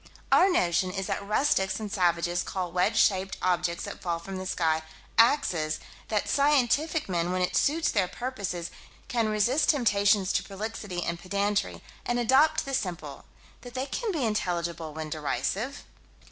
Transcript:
Our notion is that rustics and savages call wedge shaped objects that fall from the sky, "axes": that scientific men, when it suits their purposes, can resist temptations to prolixity and pedantry, and adopt the simple: that they can be intelligible when derisive.